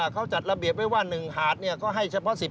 เขาจัดระเบียบไว้ว่า๑หาดก็ให้เฉพาะ๑๐